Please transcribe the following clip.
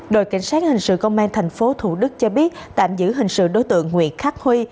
đội cảnh sát hình sự công an tp thủ đức cho biết tạm giữ hình sự đối tượng nguyễn khắc huy